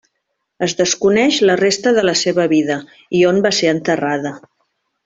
Es desconeix la resta de la seva vida i on va ser enterrada.